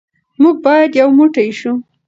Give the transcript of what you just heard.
موږ باید یو موټی شو.